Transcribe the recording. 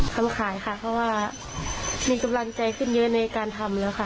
ทำขายค่ะเพราะว่ามีกำลังใจขึ้นเยอะในการทำแล้วค่ะ